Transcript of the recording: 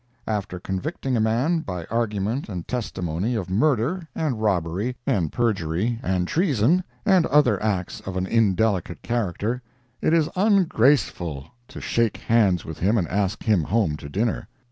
After convicting a man, by argument and testimony, of murder, and robbery, and perjury, and treason, and other acts of an indelicate character, it is ungraceful to shake hands with him and ask him home to dinner.